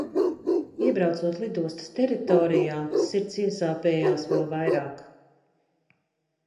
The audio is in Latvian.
Iebraucot lidostas teritorijā, sirds iesāpējās vēl vairāk.